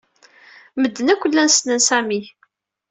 Medden akk llan ssnen Sami.